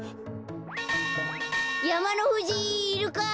やまのふじいるか？